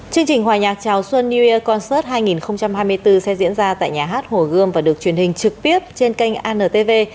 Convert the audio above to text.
chương trình hòa nhạc chào xuân new year concert hai nghìn hai mươi bốn sẽ diễn ra tại nhà hát hồ gươm và được truyền hình trực tiếp trên kênh antv